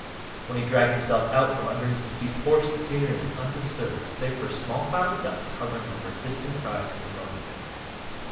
When he dragged himself out from under his deceased horse the scenery was undisturbed save for a small cloud of dust hovering over a distant rise to the north of him.